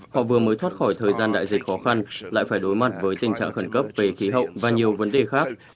họ vừa mới thoát khỏi thời gian đại dịch khó khăn lại phải đối mặt với tình trạng khẩn cấp về khí hậu và nhiều vấn đề khác